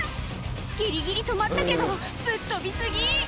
ギリギリ止まったけどぶっ飛び過ぎ！